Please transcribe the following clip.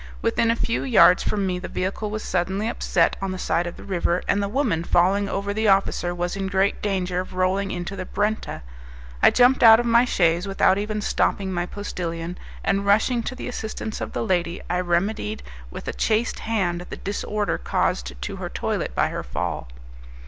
Within a few yards from me the vehicle was suddenly upset on the side of the river, and the woman, falling over the officer, was in great danger of rolling into the Brenta. I jumped out of my chaise without even stopping my postillion, and rushing to the assistance of the lady I remedied with a chaste hand the disorder caused to her toilet by her fall.